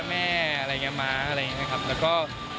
แม่อะไรอย่างเงี้ม้าอะไรอย่างเงี้ยครับแล้วก็